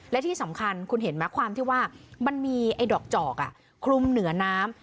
และที่สำคัญคุณเห็นไหมความที่ว่ามันมีไอ้ดอกจอกคลุมเหนือน้ำ